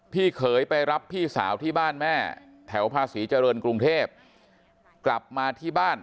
เขยไปรับพี่สาวที่บ้านแม่แถวภาษีเจริญกรุงเทพกลับมาที่บ้าน